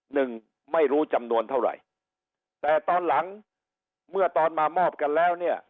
หนึ่งไม่รู้จำนวนเท่าไหร่แต่ตอนหลังเมื่อตอนมามอบกันแล้วเนี่ย